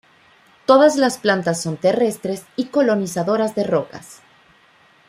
Todas las plantas son terrestres y colonizadoras de rocas.